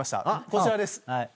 こちらです。